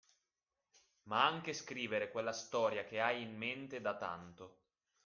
Ma anche scrivere quella storia che hai in mente da tanto